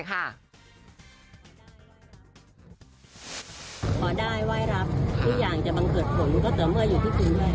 ขอได้ว่ายรับที่อยากจะบังเกิดผมนุ้ยก็เตือนเมื่ออยู่ที่คุณแหละ